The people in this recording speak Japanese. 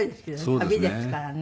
旅ですからね。